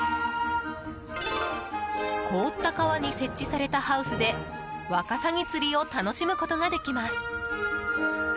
凍った川に設置されたハウスでワカサギ釣りを楽しむことができます。